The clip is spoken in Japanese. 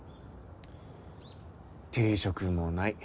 定職もない。